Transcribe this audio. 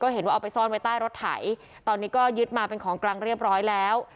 เห็นว่าเอาไปซ่อนไว้ใต้รถไถตอนนี้ก็ยึดมาเป็นของกลางเรียบร้อยแล้ว